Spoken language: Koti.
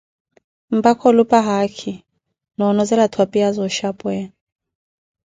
mpakha ulupa haakhi, na onozela twapiya za oshapweya.